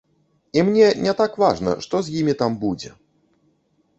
І мне не так важна, што з імі там будзе.